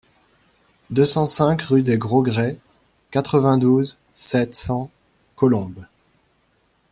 deux cent cinq rue des Gros Grès, quatre-vingt-douze, sept cents, Colombes